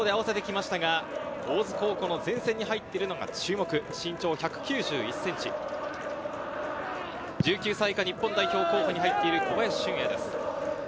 今もロングスローで合わせてきましたが、大津高校の先生に入っているのが注目、身長１９１ｃｍ、１９歳以下日本代表候補に入っている小林俊瑛です。